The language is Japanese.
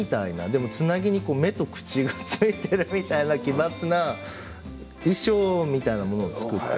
でもつなぎに目と口が付いている奇抜な衣装みたいなものを作って。